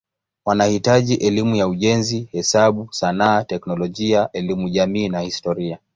Wanahitaji elimu ya ujenzi, hesabu, sanaa, teknolojia, elimu jamii na historia.